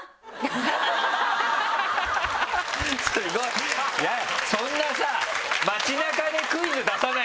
スゴいそんなさ。